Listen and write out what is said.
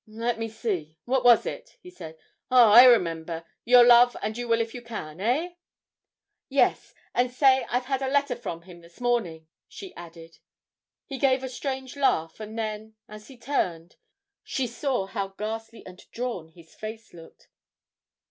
'Let me see, what was it?' he said. 'Ah, I remember; your love, and you will if you can, eh?' 'Yes, and say I've had a letter from him this morning,' she added. He gave a strange laugh, and then, as he turned, she saw how ghastly and drawn his face looked.